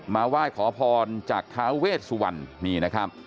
มาไหว้ขอพรจากท้าเวชสุวรรณนี่นะครับ